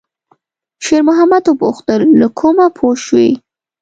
شېرمحمد وپوښتل: «له کومه پوه شوې؟»